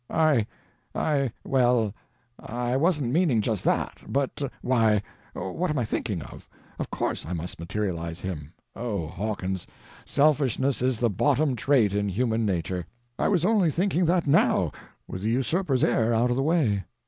"I—I—well, I wasn't meaning just that, but,—why, what am I thinking of! Of course I must materialize him. Oh, Hawkins, selfishness is the bottom trait in human nature; I was only thinking that now, with the usurper's heir out of the way.